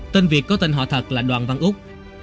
tên việt có tên họ thật là đoàn văn úc